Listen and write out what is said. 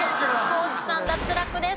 地さん脱落です。